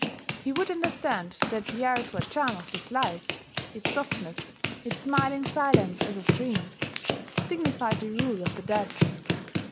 He would understand that the outward charm of this life its softness, its smiling silence as of dreams signified the rule of the dead.